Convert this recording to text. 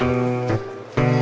tiana mau kemana